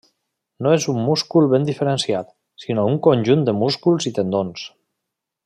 No és un múscul ben diferenciat, sinó un conjunt de músculs i tendons.